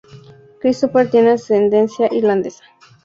Christopher tiene ascendencia irlandesa.